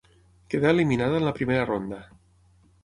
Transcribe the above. Quedà eliminada en la primera ronda.